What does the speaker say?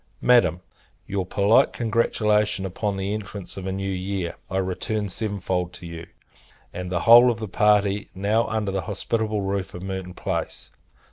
Madam, Your polite congratulation upon the entrance of a new year, I return seven fold to you, and the whole of the party now under the hospitable roof of Merton Place.